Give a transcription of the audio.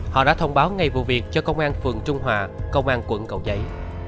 họ đã thông báo ngay vụ việc cho công an phường trung hòa công an quận cầu giấy